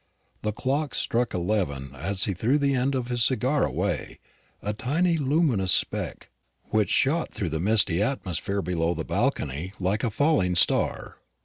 The clocks struck eleven as he threw the end of his cigar away; a tiny, luminous speck, which shot through the misty atmosphere below the balcony like a falling star.